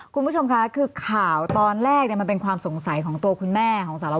คุณผู้ชมค่ะคือข่าวตอนแรกมันเป็นความสงสัยของตัวคุณแม่ของสารว